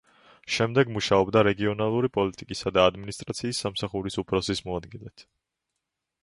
შემდეგ მუშაობდა რეგიონალური პოლიტიკისა და ადმინისტრაციის სამსახურის უფროსის მოადგილედ.